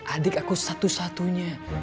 adik aku satu satunya